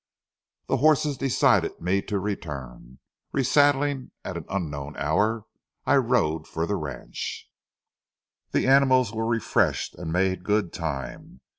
The horses decided me to return. Resaddling at an unknown hour, I rode for the ranch. The animals were refreshed and made good time.